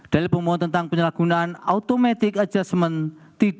dari pemohon tentang penyelakunan automatic adjustment